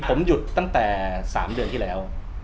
ผมหยุดตั้งแต่๓เดือนที่แล้ว